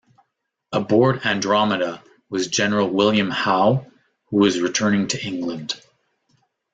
Aboard "Andromeda" was General William Howe, who was returning to England.